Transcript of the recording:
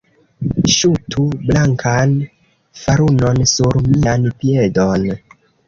Ŝutu blankan farunon sur mian piedon.